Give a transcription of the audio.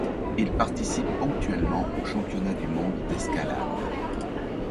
Il participe ponctuellement aux championnats du monde d'escalade.